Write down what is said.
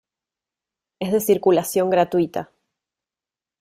Es de circulación gratuita.